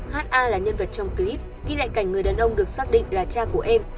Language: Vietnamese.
ha là nhân vật trong clip ghi lại cảnh người đàn ông được xác định là cha của em